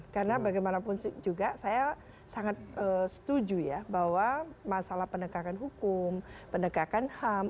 karena bagaimanapun juga saya sangat setuju ya bahwa masalah penegakan hukum penegakan ham